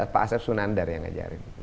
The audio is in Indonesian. pak asep sunandar yang ngajarin